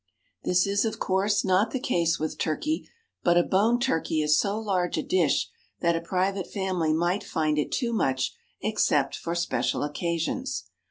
This is, of course, not the case with turkey; but a boned turkey is so large a dish that a private family might find it too much except for special occasions.